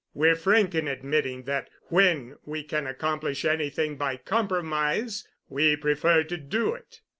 We're frank in admitting that when we can accomplish anything by compromise we prefer to do it.